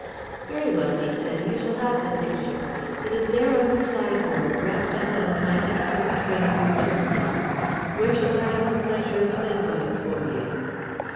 "Very well," he said. "You shall have the picture. It is there on the sideboard wrapped up as my expert friend returned it. Where shall I have the pleasure of sending it for you?"